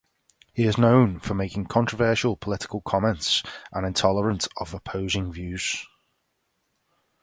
He is known for making controversial political comments and intolerant of opposing views.